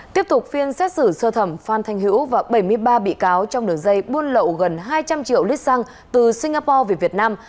tiếp tục phiên xét xử sơ thẩm phan thanh hữu và bảy mươi ba bị cáo trong đường dây buôn lậu gần hai trăm linh triệu lít xăng từ singapore về việt nam